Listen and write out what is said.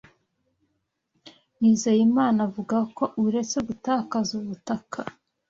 Nizeyimana avuga ko uretse gutakaza ubutaka